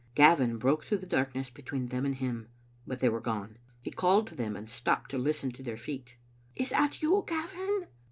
Gavin broke through the darkness between them and him, but they were gone. He called to them, and stopped to listen to their feet. " Is that you, Gavin?"